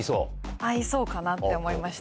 合いそうかなって思いました。